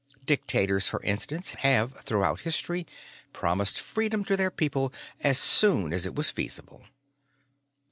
Dictators, for instance, have throughout history, promised freedom to their people 'as soon as it was feasible'.